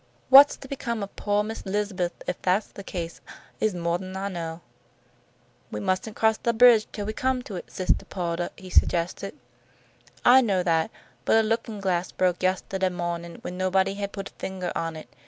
What's to become of poah Miss 'Lizabeth if that's the case, is moah'n I know." "We mustn't cross the bridge till we come to it, Sistah Po'tah," he suggested. "I know that; but a lookin' glass broke yeste'day mawnin' when nobody had put fingah on it.